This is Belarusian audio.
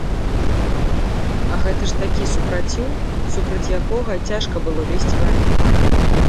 А гэта ж такі супраціў, супраць якога цяжка было весці вайну.